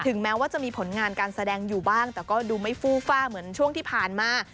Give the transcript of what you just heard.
แม้ว่าจะมีผลงานการแสดงอยู่บ้างแต่ก็ดูไม่ฟู่ฟ่าเหมือนช่วงที่ผ่านมา